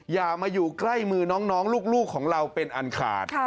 อย่ามาอยู่ใกล้มือน้องลูกของเราเป็นอันขาด